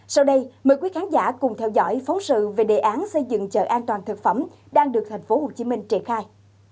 sau đây mời quý khán giả cùng theo dõi phóng sự về đề án xây dựng chợ an toàn thực phẩm đang được tp hcm triển khai